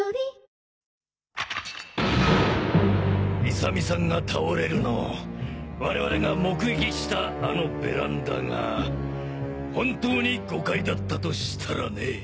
勇美さんが倒れるのを我々が目撃したあのベランダが本当に５階だったとしたらね。